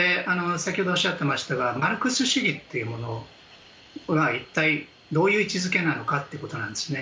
先ほどおっしゃっていましたがマルクス主義というのは一体、どういう位置付けなのかということなんですね。